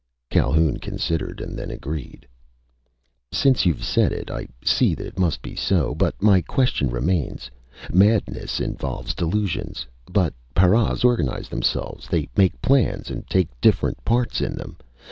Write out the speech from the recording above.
Calhoun considered, and then agreed. "Since you've said it, I see that it must be so. But my question remains. Madness involves delusions. But paras organize themselves. They make plans and take different parts in them.